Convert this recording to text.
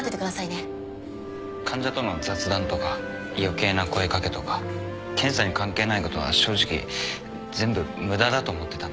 患者との雑談とか余計な声掛けとか検査に関係ないことは正直全部無駄だと思ってたんです